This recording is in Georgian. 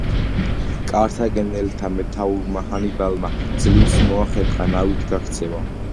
კართაგენელთა მეთაურმა ჰანიბალმა ძლივს მოახერხა ნავით გაქცევა.